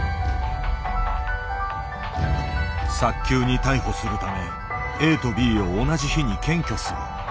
早急に逮捕するためＡとＢを同じ日に検挙する。